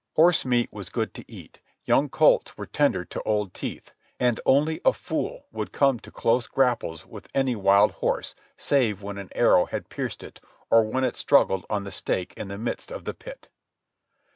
Horse meat was good to eat; young colts were tender to old teeth; and only a fool would come to close grapples with any wild horse save when an arrow had pierced it, or when it struggled on the stake in the midst of the pit.